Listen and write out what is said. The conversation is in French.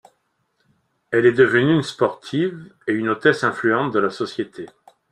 Elle est devenue une sportive et une hôtesse influente de la société.